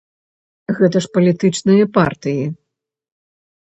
Гэта ж палітычныя партыі!